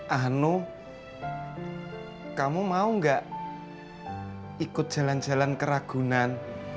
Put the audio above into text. anu kamu mau nggak ikut jalan jalan ke ragunan